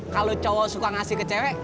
kalo cowok suka ngasih ke cewek